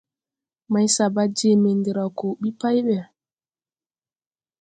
Maysaba jee mendrew ko ɓil pay ɓɛ.